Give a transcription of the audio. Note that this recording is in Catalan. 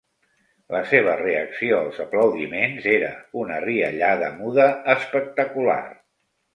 La seva reacció als aplaudiments era una riallada muda espectacular.